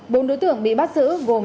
bốn đối tượng bị bắt giữ gồm